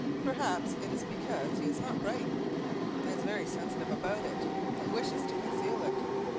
Perhaps it is because he is not bright, and is sensitive about it and wishes to conceal it.